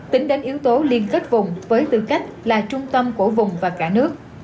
tính đến yếu tố liên kết vùng với tư cách là trung tâm của vùng và cả nước